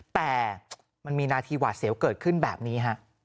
แต่มันมีนาทีหวาดเสียวเกิดขึ้นแบบนี้ฮะ